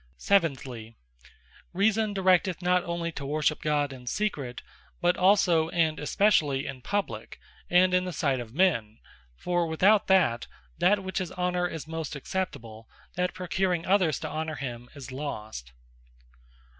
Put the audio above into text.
Seventhly, Reason directeth not onely to worship God in Secret; but also, and especially, in Publique, and in the sight of men: For without that, (that which in honour is most acceptable) the procuring others to honour him, is lost.